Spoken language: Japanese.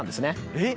えっ！